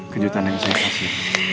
kejutan nangisnya kasih